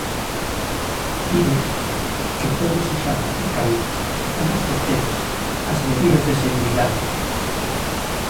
Pide que todos sexamos precavidos e respectemos as medidas de seguridade.